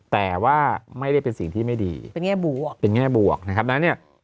แต่ว่าไม่ได้เป็นสิ่งที่ไม่ดีเป็นแง่บวกนะครับแล้วนี่